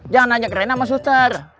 jangan ajak rena sama susternya